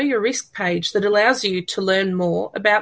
yang memungkinkan anda untuk belajar lebih banyak